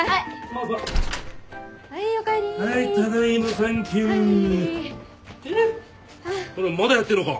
まだやってんのか。